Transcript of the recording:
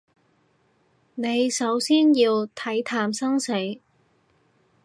你首先要睇淡生死